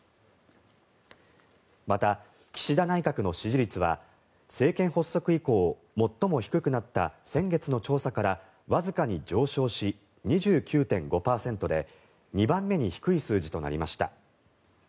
また、岸田内閣の支持率は政権発足以降最も低くなった先月の調査からわずかに上昇し２９．５％で２番目に低い数字となりました。